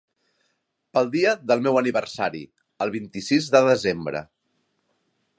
Pel dia del meu aniversari, el vint-i-sis de desembre.